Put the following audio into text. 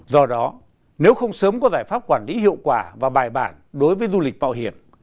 do đó nếu không sớm có giải pháp quản lý hiệu quả và bài bản đối với du lịch mạo hiểm